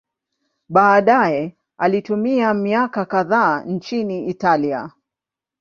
Baadaye alitumia miaka kadhaa nchini Italia.